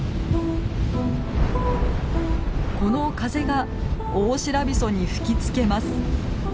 この風がオオシラビソに吹きつけます。